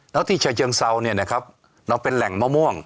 แล้วที่ฉะเชิงเซาเนี่ยนะครับเราเป็นแหล่งมะม่วง